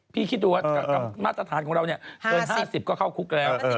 คิดดูว่ามาตรฐานของเราเนี่ยเกิน๕๐ก็เข้าคุกแล้ว